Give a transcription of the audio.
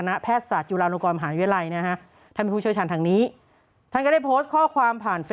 ในแพทยงผู้วรวรรณหัวหน้าศูนย์เชี่ยวชาญเฉพาะงาน